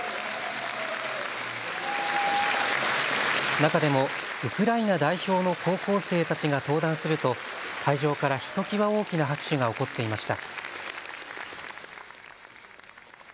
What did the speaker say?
中でもウクライナ代表の高校生たちが登壇すると会場からひときわ大きな拍手が起こっていました。